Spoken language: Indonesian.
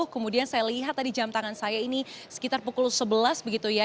kemudian saya lihat tadi jam tangan saya ini sekitar pukul sebelas begitu ya